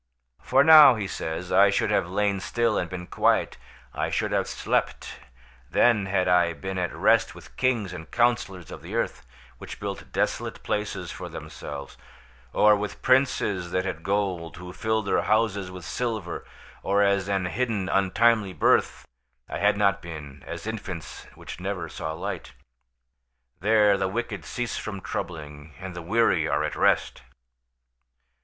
'For now,' he says, 'I should have lain still and been quiet, I should have slept; then had I been at rest with kings and counsellors of the earth, which built desolate places for themselves; or with princes that had gold, who filled their houses with silver; or as an hidden untimely birth, I had not been; as infants which never saw light. There the wicked cease from troubling, and the weary are at rest.